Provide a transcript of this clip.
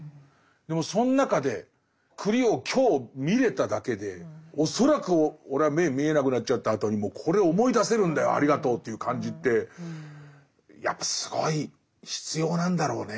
でもそん中で栗を今日見れただけで恐らく俺は目見えなくなっちゃったあとにもこれを思い出せるんだよありがとうという感じってやっぱすごい必要なんだろうね。